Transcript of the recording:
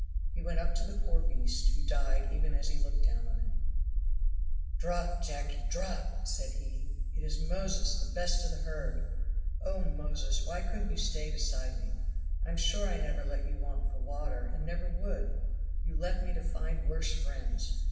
He went up to the poor beast, who died even as he looked down on him. "Drought, Jacky! drought!" said he "it is Moses, the best of the herd. Oh, Moses, why couldn't you stay beside me? I'm sure I never let you want for water, and never would you left me to find worse friends!"